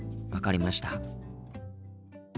分かりました。